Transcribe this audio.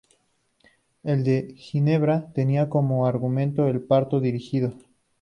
El de Ginebra tenía como argumento el parto dirigido.